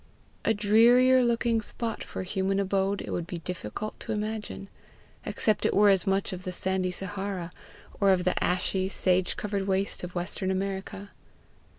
A drearier looking spot for human abode it would be difficult to imagine, except it were as much of the sandy Sahara, or of the ashy, sage covered waste of western America.